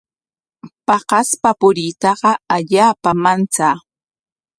Paqaspa puriytaqa allaapam manchaa.